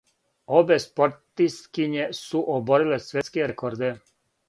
Обе спортисткиње су обориле светске рекорде.